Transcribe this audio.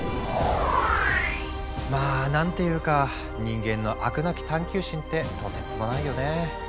まあ何ていうか人間の飽くなき探求心ってとてつもないよね。